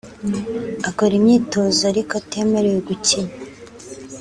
akora imyitozo ariko atemerewe gukina